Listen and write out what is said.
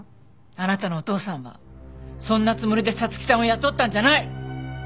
あなたのお父さんはそんなつもりで彩月さんを雇ったんじゃない！